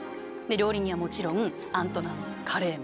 料理人はもちろんアントナン・カレーム。